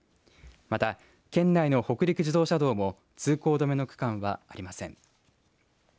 また、県内の北陸自動車道も通行止めの区間はありません。